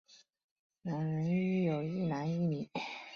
两人育有一男一女。